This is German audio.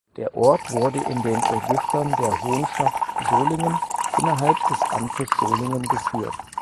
Der Ort wurde in den Registern der Honschaft Solingen innerhalb des Amtes Solingen geführt.